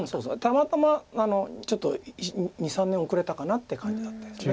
たまたまちょっと２３年遅れたかなって感じだったんです。